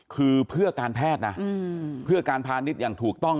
คือเพื่อการแพทย์นะเพื่อการพาณิชย์อย่างถูกต้อง